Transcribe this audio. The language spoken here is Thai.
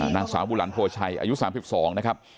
นางสาวบุหลันโพชัยอายุ๓๒นะครับ